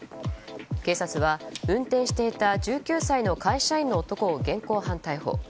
警察は、運転していた１９歳の会社員の男を現行犯逮捕。